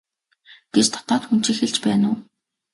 гэж дотоод хүн чинь хэлж байна уу?